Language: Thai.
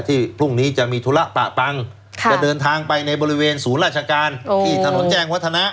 พรุ่งนี้จะมีธุระปะปังจะเดินทางไปในบริเวณศูนย์ราชการที่ถนนแจ้งวัฒนะ